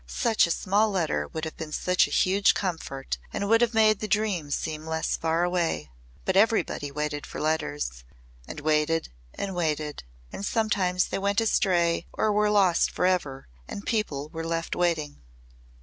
Such a small letter would have been such a huge comfort and would have made the dream seem less far away. But everybody waited for letters and waited and waited. And sometimes they went astray or were lost forever and people were left waiting.